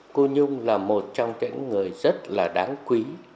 cô nhung là một trong những người rất là đáng quý